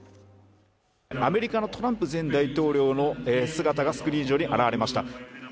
アメリカのトランプ大統領の姿がスクリーン上に現れました